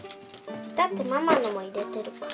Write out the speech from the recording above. だってママのも入れてるから。